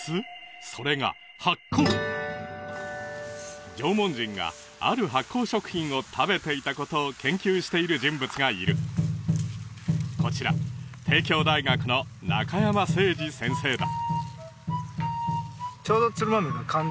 それが発酵縄文人がある発酵食品を食べていたことを研究している人物がいるこちら帝京大学の中山誠二先生だ